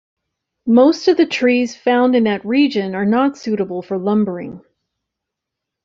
Most of the trees found in that region are not suitable for lumbering.